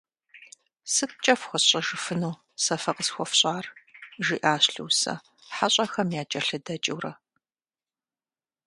«Сыткӏэ фхуэсщӏэжыфыну, сэ фэ къысхуэфщӏар?» жиӏащ Лусэ, хьэщӏэхэм якӏэлъыдэкӏыурэ.